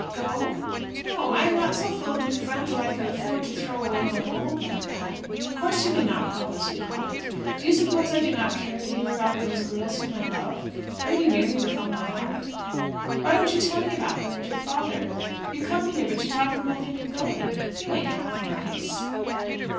"Go? no! I am not so full of new friends that I can afford to throw away my old like that. Of course you may not go, as you call it! Do you suppose I do not care to hear about those girls whom I love, pretty nearly with all my heart? Why don't you tell me about them, and your father? You come here, but you talk of nothing but going. You ain't half nice."